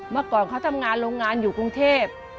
เมื่อก่อนเขาทำงานโรงงานอยู่กรุงเทพ